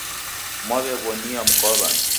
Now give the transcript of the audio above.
Mwaw'ewonia mka wa w'andu .